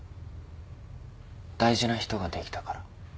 大事な人ができたから。